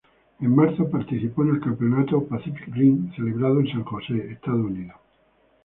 En marzo participó en el Campeonato "Pacific Rim" celebrado en San Jose, Estados Unidos.